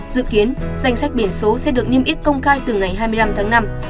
dự kiến danh sách biển số sẽ được niêm yết công khai từ ngày hai mươi năm tháng năm